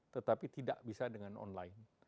tetapi tidak bisa dengan online